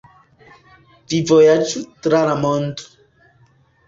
Vi vojaĝu tra la mond'